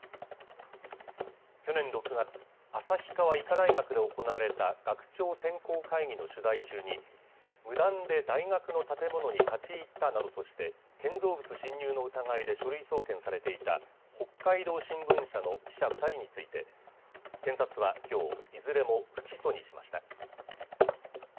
去年６月、旭川医科大学で行われた学長選考会議の取材中に、無断で大学の建物に立ち入ったなどとして、建造物侵入の疑いで書類送検されていた、北海道新聞社の記者２人について、検察はきょう、いずれも不起訴にしました。